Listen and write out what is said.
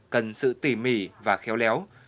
cần sự tỉ mỉ và khéo léo